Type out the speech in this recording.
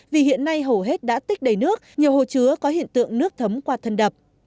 vì hiện nay hầu hết đã tích đầy nước nhiều hồ chứa có hiện tượng nước thấm qua thân đập